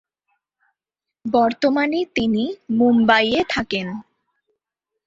বর্তমানে তিনি মুম্বাই এ থাকেন।